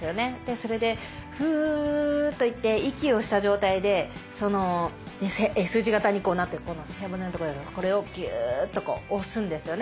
それでふっといって息をした状態でＳ字形になってるこの背骨のとこをこれをギューッと押すんですよね。